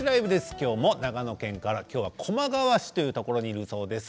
今日も長野県から今日は駒ヶ根市というところにいるそうですよ。